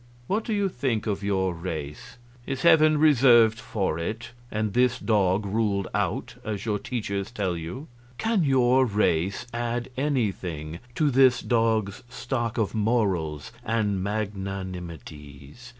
What do you think of your race? Is heaven reserved for it, and this dog ruled out, as your teachers tell you? Can your race add anything to this dog's stock of morals and magnanimities?"